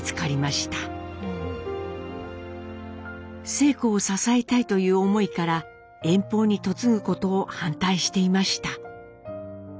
晴子を支えたいという思いから遠方に嫁ぐことを反対していました。